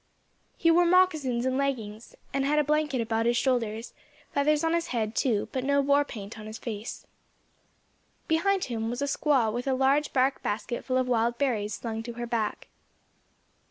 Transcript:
He wore moccasins and leggins, and had a blanket about his shoulders; feathers on his head, too; but no war paint on his face. Behind him was a squaw with a great bark basket full of wild berries, slung to her back.